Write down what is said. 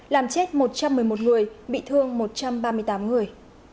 làm chết một trăm một mươi một người bị thương một trăm ba mươi tám người